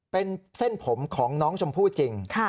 เป็นเส้นผมของน้องชมพู่จริง